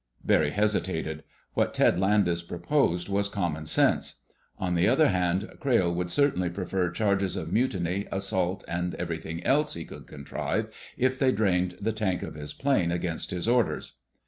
Barry hesitated. What Ted Landis proposed was common sense. On the other hand, Crayle would certainly prefer charges of mutiny, assault and everything else he could contrive if they drained the tank of his plane against his orders.